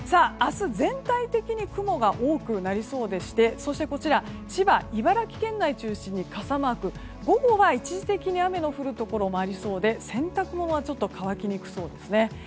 明日、全体的に雲が多くなりそうでしてそして千葉、茨城県内を中心に傘マーク午後は一時的に雨の降るところもありそうで洗濯物はちょっと乾きにくそうです。